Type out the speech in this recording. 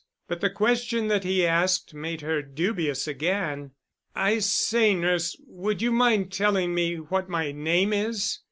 But the question that he asked made her dubious again. "I say, nurse, would you mind telling me what my name is?"